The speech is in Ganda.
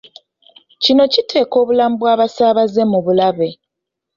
Kino kiteeka obulamu bw'abasaabaze mu bulabe.